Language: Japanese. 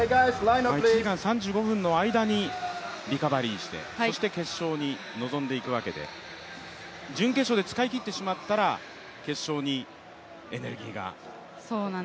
１時間３５分の間にリカバリーして、そして決勝に臨んでいくわけで、準決勝で使い切ってしまったら決勝にエネルギーが。